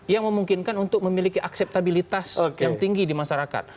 yang memungkinkan untuk memiliki akseptabilitas yang tinggi di masyarakat